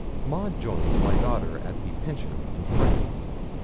Maud joins my daughter at the Pension, in France.